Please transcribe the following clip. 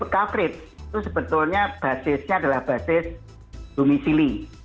coverage itu sebetulnya basisnya adalah basis domisili